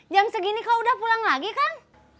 jam segini kau udah pulang lagi kan